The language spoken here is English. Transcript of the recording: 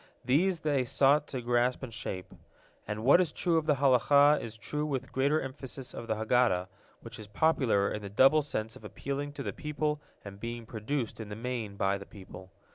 These they sought to grasp and shape. And what is true of the Halakah is true with greater emphasis of the Haggadah, which is popular in the double sense of appealing to the people and being produced in the main by the people.